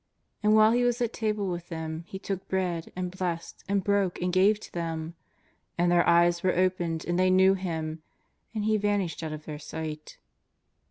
And while He was at table with them, He took bread, and blessed, and broke and gave to them. And their eyes were opened and they knew Him, and He vanished out of their sight.